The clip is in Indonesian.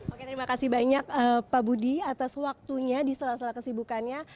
oke terima kasih banyak pak budi atas waktunya di sela sela kesibukannya